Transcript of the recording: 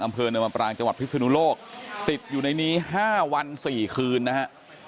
อำเภอเนินบำปรางจังหวัดพิศนุโลกติดอยู่ในนี้๕วัน๔คืนนะฮะ